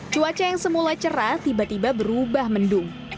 cuaca yang semula cerah tiba tiba berubah mendung